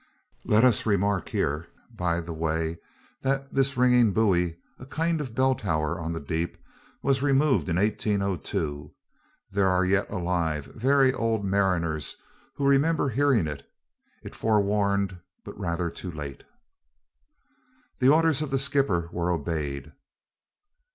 Let us remark here, by the way, that this ringing buoy, a kind of bell tower on the deep, was removed in 1802. There are yet alive very old mariners who remember hearing it. It forewarned, but rather too late. The orders of the skipper were obeyed.